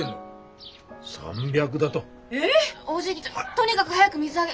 とにかく早く水揚げ！